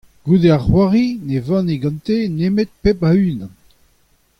Goude ar c'hoari ne vane gante nemet pep a unan.